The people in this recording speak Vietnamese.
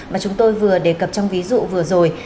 mà chúng tôi vừa đề cập trong ví dụ vừa rồi